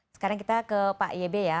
sekarang kita ke pak yebe ya